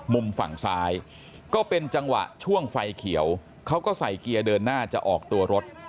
มุมฝั่งซ้ายก็เป็นจังหวะช่วงไฟเขียวเขาก็ใส่เกียร์เดินหน้าจะออกตัวรถ